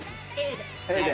Ａで。